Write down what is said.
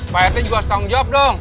pak rt juga harus tanggung jawab dong